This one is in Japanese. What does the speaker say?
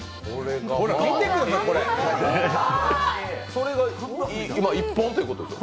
それが１本ということですか？